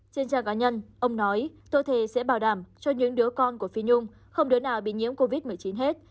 trên trang cá nhân ông nói tôi thề sẽ bảo đảm cho những đứa con của phi nhung không đứa nào bị nhiễm covid một mươi chín hết